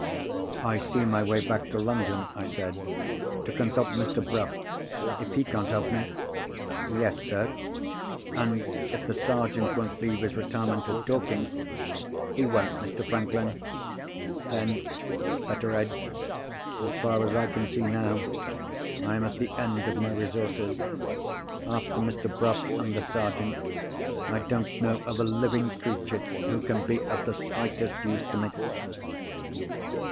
"I see my way back to London," I said, "to consult Mr. Bruff. If he can't help me——" "Yes, sir?" "And if the Sergeant won't leave his retirement at Dorking——" "He won't, Mr. Franklin!" "Then, Betteredge—as far as I can see now—I am at the end of my resources. After Mr. Bruff and the Sergeant, I don't know of a living creature who can be of the slightest use to me."